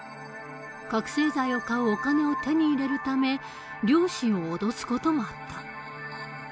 覚醒剤を買うお金を手に入れるため両親を脅す事もあった。